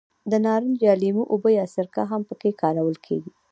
د نارنج یا لیمو اوبه یا سرکه هم په کې کارول کېږي.